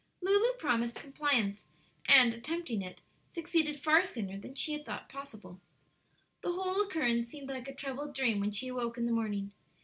Lulu promised compliance, and, attempting it, succeeded far sooner than she had thought possible. The whole occurrence seemed like a troubled dream when she awoke in the morning.